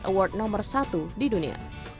award nomor satu di dunia